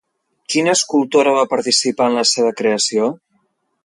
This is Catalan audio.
Quina escultora va participar en la seva creació?